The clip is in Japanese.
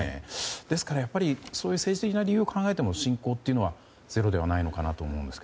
ですから、そういう政治的な理由を考えても侵攻というのはゼロではないのかなと思うんですが。